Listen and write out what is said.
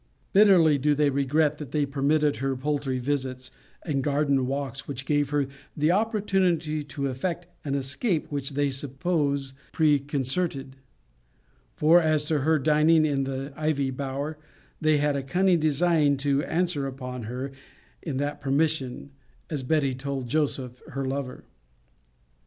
Bitterly do they regret, that they permitted her poultry visits, and garden walks, which gave her the opportunity to effect an escape which they suppose preconcerted. For, as to her dining in the ivy bower, they had a cunning design to answer upon her in that permission, as Betty told Joseph her lover.* * Vol. II. Letter XLVII. paragr.